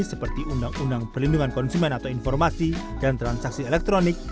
seperti undang undang perlindungan konsumen atau informasi dan transaksi elektronik